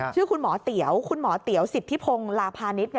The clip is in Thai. ชื่อคุณหมอเตี๋ยวคุณหมอเตี๋ยวสิทธิพงศ์ลาพาณิชย์